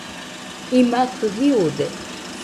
imakɨ jiude